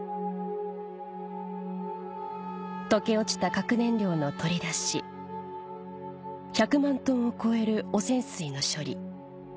溶け落ちた核燃料の取り出し１００万トンを超える汚染水の処理